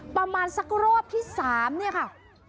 ประมาณสักรอบที่๓เนี่ยค่ะ